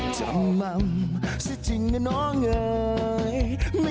จำมัมท่ือจริงนะน้องเอดไม่เคยเห็นใครจำมัมเท่า